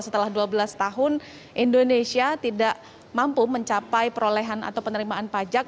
setelah dua belas tahun indonesia tidak mampu mencapai perolehan atau penerimaan pajak